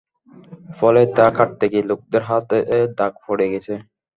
ফলে তা কাটতে গিয়ে লোকদের হাতে দাগ পড়ে গেছে।